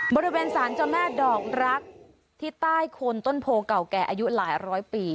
บริเวณสารเจ้าแม่ดอกรักที่ใต้โคนต้นโพเก่าแก่อายุหลายร้อยปี